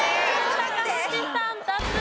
高橋さん脱落です。